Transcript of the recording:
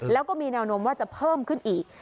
แล้วก็มีแนวโน้มว่าจะเพิ่มขึ้นอีก